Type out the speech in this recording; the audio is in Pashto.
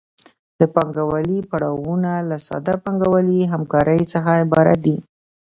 د پانګوالي پړاوونه له ساده پانګوالي همکارۍ څخه عبارت دي